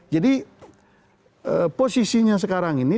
jadi posisinya sekarang ini